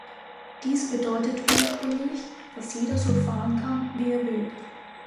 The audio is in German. Dies bedeutet ursprünglich, dass jeder so fahren kann, wie er will.